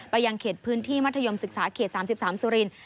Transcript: ยังเขตพื้นที่มัธยมศึกษาเขต๓๓สุรินทร์